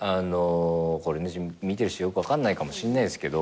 これ見てる人よく分かんないかもしんないですけど。